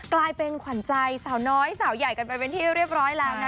กลายเป็นขวัญใจสาวน้อยสาวใหญ่กันไปเป็นที่เรียบร้อยแล้วนะ